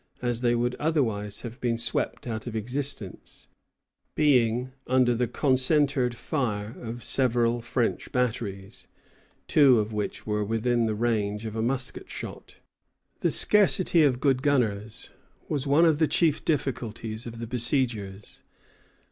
_] as they would otherwise have been swept out of existence, being under the concentred fire of several French batteries, two of which were within the range of a musket shot. The scarcity of good gunners was one of the chief difficulties of the besiegers.